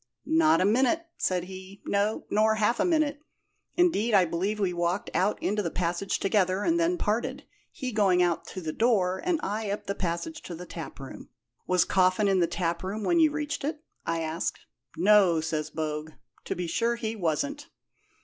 'Not a minute,' said he; 'no, nor half a minute. Indeed, I believe we walked out into the passage together, and then parted, he going out to the door, and I up the passage to the taproom.' 'Was Coffin in the taproom when you reached it?' I asked. 'No,' says Bogue; 'to be sure he wasn't.'